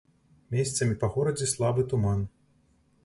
Месцамі па горадзе слабы туман.